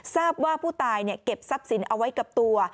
ทราบว่าผู้ตายเก็บทรัพย์สินเอาไว้กับตัว